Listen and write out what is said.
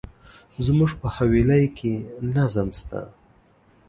زموږ په حویلی کي نظم شته.